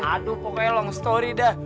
aduh pokoknya long story dah